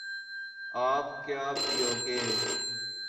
آپ کیا پیو گے